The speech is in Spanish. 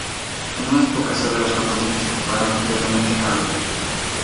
En una pocas horas los japoneses ocuparon completamente Harbin.